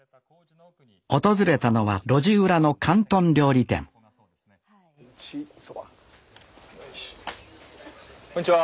訪れたのは路地裏の広東料理店こんにちは。